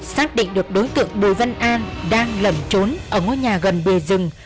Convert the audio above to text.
xác định được đối tượng bùi văn an đang lẩn trốn ở ngôi nhà gần bề rừng